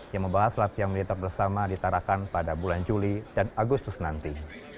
yang membahas latihan militer bersama ditarakan pada bulan juli dan agustus nanti